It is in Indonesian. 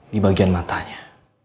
di bagian matanya